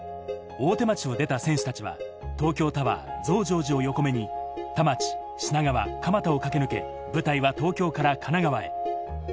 大手町を出た選手たちは東京タワー、増上寺を横目に田町、品川、蒲田を駆け抜け舞台は東京から神奈川へ。